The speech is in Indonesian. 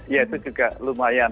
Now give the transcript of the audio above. ya itu juga lumayan